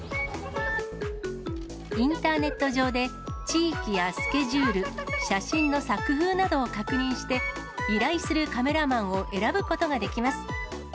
インターネット上で地域やスケジュール、写真の作風などを確認して、依頼するカメラマンを選ぶことができます。